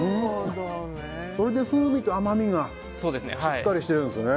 それで風味と甘みがしっかりしてるんですね。